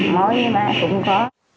mối với má cũng có